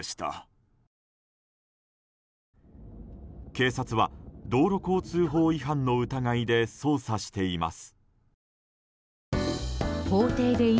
警察は道路交通法違反の疑いで捜査しています。